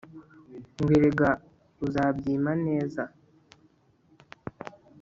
ngo erega uzabyima neza